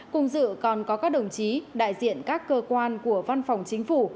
cùng dự còn có các đồng chí đại diện các cơ quan của văn phòng chính phủ